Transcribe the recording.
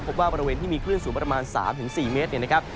พบว่าบริเวณที่มีคลื่นสูงประมาณ๓๔เมตรเนี่ยนะครับ